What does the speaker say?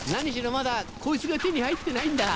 まだこいつが手に入ってないんだ。